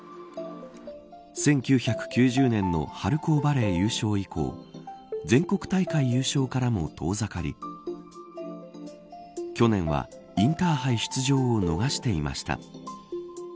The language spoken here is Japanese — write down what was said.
１９９０年の春高バレー優勝以降全国大会優勝からも遠ざかり去年はインターハイ出場を逃していました。